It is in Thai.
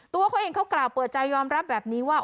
ตัวเขาเองเขากล่าวเปิดใจยอมรับแบบนี้ว่า